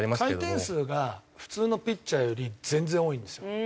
回転数が普通のピッチャーより全然多いんですよ。